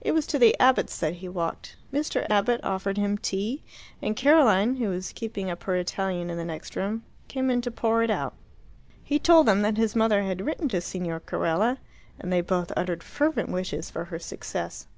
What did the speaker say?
It was to the Abbotts' that he walked. Mr. Abbott offered him tea, and Caroline, who was keeping up her Italian in the next room, came in to pour it out. He told them that his mother had written to Signor Carella, and they both uttered fervent wishes for her success.